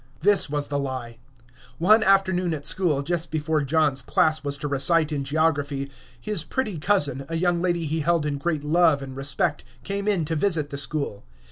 This was the lie. One afternoon at school, just before John's class was to recite in geography, his pretty cousin, a young lady he held in great love and respect, came in to visit the school.